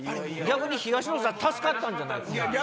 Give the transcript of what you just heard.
逆に東野さん助かったんじゃないですか？